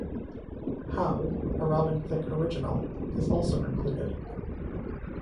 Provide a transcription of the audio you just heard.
"How", a Robin Thicke original, is also included.